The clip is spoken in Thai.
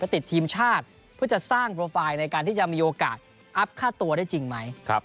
ติดทีมชาติเพื่อจะสร้างโปรไฟล์ในการที่จะมีโอกาสอัพค่าตัวได้จริงไหม